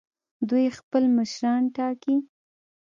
دوی خپل مشران ټاکي.